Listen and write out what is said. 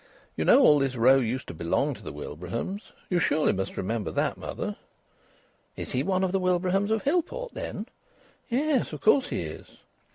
You know all this row used to belong to the Wilbrahams. You surely must remember that, mother?" "Is he one of the Wilbrahams of Hillport, then?" "Yes, of course he is."